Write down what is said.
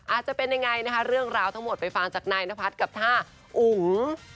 จะเป็นยังไงนะคะเรื่องราวทั้งหมดไปฟังจากนายนพัฒน์กับท่าอุ๋ม